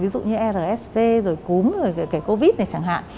ví dụ như rsv cúm covid này chẳng hạn